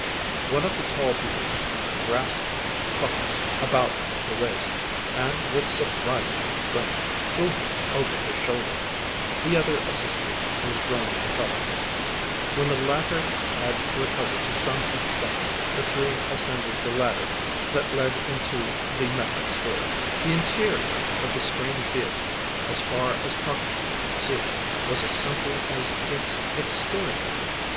One of the tall beings grasped Parkinson about the waist, and with surprising strength, threw him over his shoulder. The other assisted his groaning fellow. When the latter had recovered to some extent, the three ascended the ladder that led into the metal sphere. The interior of the strange vehicle, as far as Parkinson could see, was as simple as its exterior.